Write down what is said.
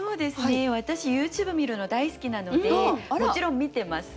私ＹｏｕＴｕｂｅ見るの大好きなのでもちろん見てます。